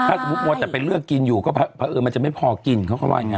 ถ้าสมมุติมัวแต่ไปเลือกกินอยู่ก็เพราะมันจะไม่พอกินเขาก็ว่าอย่างนั้น